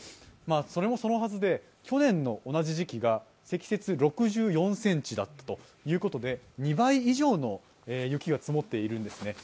それもそのはずで去年の同じ時期が積雪６４ｃｍだということで２倍以上の雪が積もっているんですね。